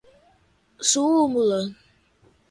súmula